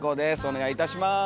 お願いいたします。